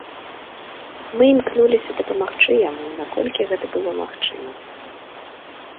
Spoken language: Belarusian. Мы імкнуліся дапамагчы яму наколькі гэта было магчыма.